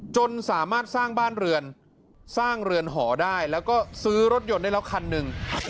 จนสามารถสร้างบ้านเรือนสร้างเรือนหอได้แล้วก็ซื้อรถยนต์ได้แล้วคันหนึ่ง